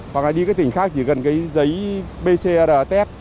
hoặc là đi cái tỉnh khác chỉ cần cái giấy bcr test